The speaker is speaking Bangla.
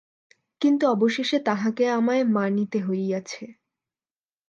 কিন্তু অবশেষে তাঁহাকে আমায় মানিতে হইয়াছে।